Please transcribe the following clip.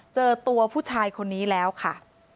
เจอตัวผู้ชายคนนี้แล้วค่ะ